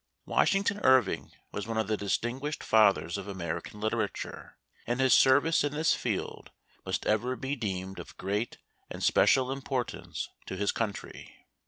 Washington Irving was one of the distin guished fathers of American Literature, and his service in this field must ever be deemed of great and special importance to his country.